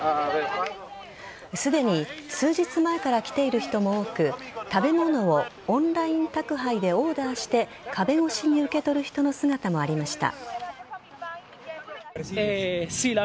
すでに数日前から来ている人も多く食べ物をオンライン宅配でオーダーして壁越しに受け取る人の姿もありました。